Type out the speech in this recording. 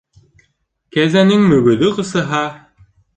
Кәзәнең мөгөҙө ҡысыһа